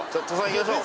行きましょう。